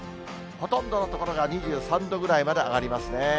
ほとんどの所が２３度ぐらいまで上がりますね。